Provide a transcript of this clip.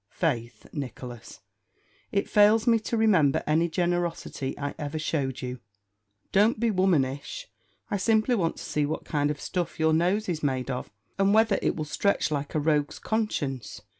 "Faith, Nicholas, it fails me to remember any generosity I ever showed you. Don't be womanish. I simply want to see what kind of stuff your nose is made of, and whether it will stretch like a rogue's conscience.